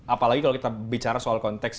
apalagi kalau kita bicara soal konteks